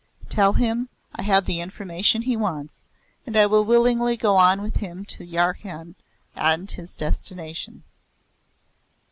Tell him I have the information he wants and I will willingly go on with him to Yarkhand and his destination.